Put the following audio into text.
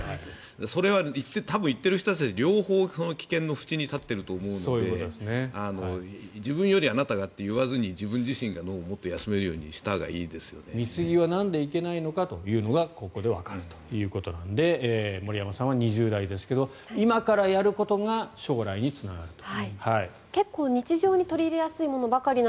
それは多分言っている人たちはその危険の淵に立っていると思うので自分よりあなたがと言わずに自分自身が脳を休めるように見すぎはなんでいけないのかというのがここでわかるので森山さんは２０代ですが今からやることが将来につながると。